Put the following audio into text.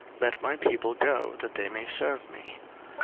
let my people go, that they may serve me.